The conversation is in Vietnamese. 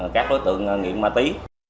các đối tượng nghiện ma tí